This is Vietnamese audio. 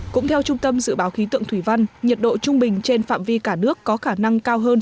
cũng theo trung tâm dự báo khí tượng thủy văn nhiệt độ trung bình trên phạm vi cả nước có khả năng cao hơn